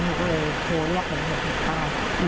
เขาก็เลยโทรเรียกเหมือนเหมือนเหมือนกัน